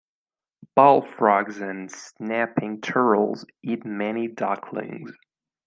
Bullfrogs and snapping turtles eat many ducklings.